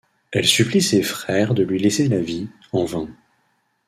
Elle supplie ses frères de lui laisser la vie, en vain.